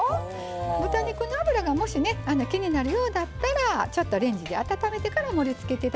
豚肉の脂がもしね気になるようだったらちょっとレンジで温めてから盛りつけて頂くといいと思います。